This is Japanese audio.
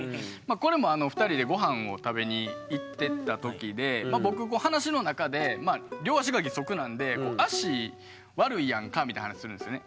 これも２人でごはんを食べに行ってた時で僕話の中で両足が義足なんでみたいな話するんですよね。